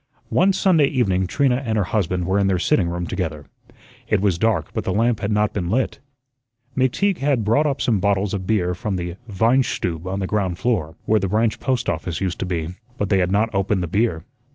One Sunday evening Trina and her husband were in their sitting room together. It was dark, but the lamp had not been lit. McTeague had brought up some bottles of beer from the "Wein Stube" on the ground floor, where the branch post office used to be. But they had not opened the beer.